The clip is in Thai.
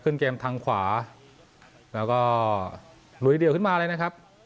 เกมทางขวาแล้วก็หลุยเดี่ยวขึ้นมาเลยนะครับ